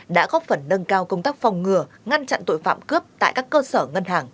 đã góp phần nâng cao công tác phòng ngừa ngăn chặn tội phạm cướp tại các cơ sở ngân hàng